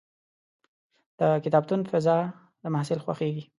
د کتابتون فضا د محصل خوښېږي.